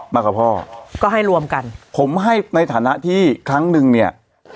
มากับพ่อก็ให้รวมกันผมให้ในฐานะที่ครั้งหนึ่งเนี่ย